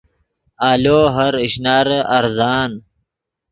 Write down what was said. آلو ہر اشنارے ارزان